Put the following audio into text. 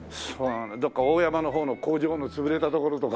どこか大山の方の工場の潰れたところとか。